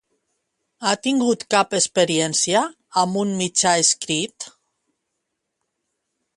Ha tingut cap experiència amb un mitjà escrit?